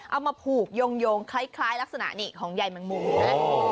เอามาผูกโยงคล้ายลักษณะนี่ของใยแมงมุมเห็นไหม